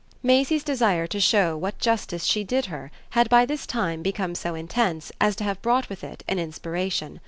Maisie's desire to show what justice she did her had by this time become so intense as to have brought with it an inspiration.